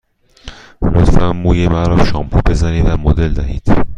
لطفاً موی مرا شامپو بزنید و مدل دهید.